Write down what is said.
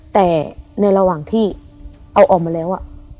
แต่ในระหว่างที่เอาออกมาแล้ว